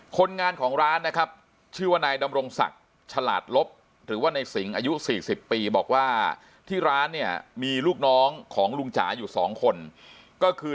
คนงานของร้านนะครับชื่อว่านายดำรงศักดิ์ฉลาดลบหรือว่าในสิงอายุ๔๐ปีบอกว่าที่ร้านเนี่ยมีลูกน้องของลุงจ๋าอยู่๒คนก็คือ